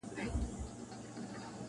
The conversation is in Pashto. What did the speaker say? ما د سمسوره باغه واخیسته لاسونه-